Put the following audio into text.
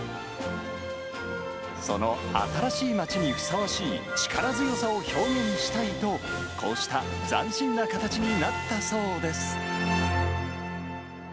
その新しい街にふさわしい力強さを表現したいと、こうした斬新な形になったそうです。